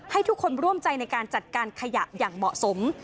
ให้ทุกคนร่วมใจในการจัดการขยะอย่างเหมาะสม